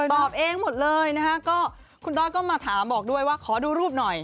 ตอบเองหมดเลยนะคะก็คุณต้อยก็มาถามบอกด้วยว่าขอดูรูปหน่อย